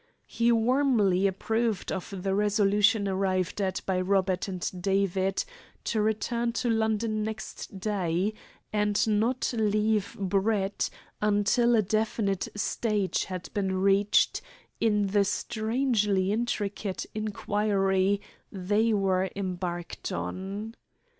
He warmly approved of the resolution arrived at by Robert and David to return to London next day, and not leave Brett until a definite stage had been reached in the strangely intricate inquiry they were embarked on.